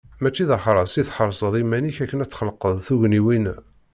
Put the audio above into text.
Mačči d aḥras i tḥerseḍ iman-ik akken ad d-txelqeḍ tugniwin-a.